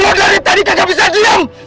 loh dari tadi kagak bisa diam